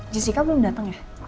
jessica belum dateng ya